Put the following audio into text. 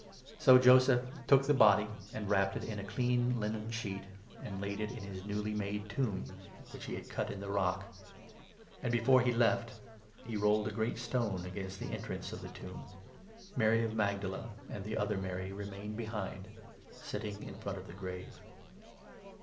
So Joseph took the body, and wrapped it in 59 a clean linen sheet, and laid it in his newly made tomb which 60 he had cut in the rock ; and, before he left, he rolled a great stone against the entrance of the tomb. Mary of 61 Magdala and the other Mary remained behind, sitting in front of the grave.